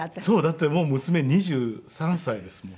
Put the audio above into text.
だってもう娘２３歳ですもん。